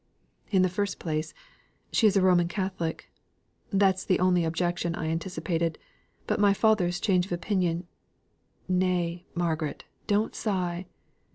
"In the first place, she is a Roman Catholic. That's the only objection I anticipated. But my father's change of opinion nay, Margaret, don't sigh."